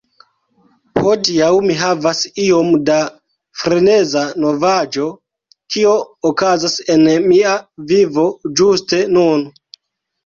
Hodiaŭ mi havas iom da freneza novaĵo kio okazas en mia vivo ĝuste nun.